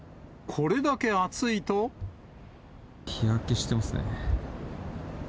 日焼けしてますね。